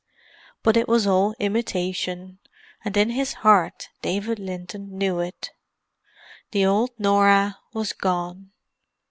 But it was all imitation, and in his heart David Linton knew it. The old Norah was gone.